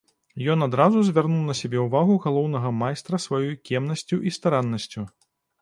Ён адразу звярнуў на сябе ўвагу галоўнага майстра сваёй кемнасцю і стараннасцю.